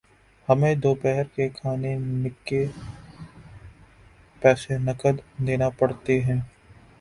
ہمیں دوپہر کے کھانےنکے پیسے نقد دینا پڑتے ہیں